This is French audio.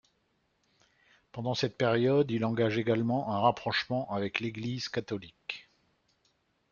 Pendant cette période il engage également un rapprochement avec l'Église Catholique.